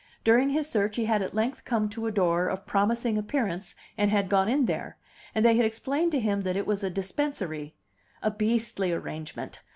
During his search he had at length come to a door of promising appearance, and gone in there, and they had explained to him that it was a dispensary. A beastly arrangement.